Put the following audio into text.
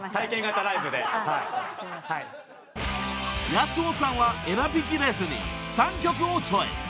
［康雄さんは選びきれずに３曲をチョイス。